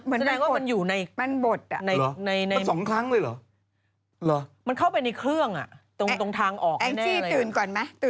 เหมือนมันบดอะ